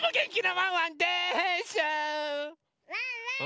・ワンワーン！